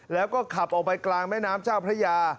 แล้วก็ขับออกไปกลางแม่น้ำเจ้าพระยา